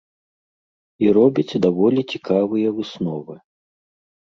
І робіць даволі цікавыя высновы.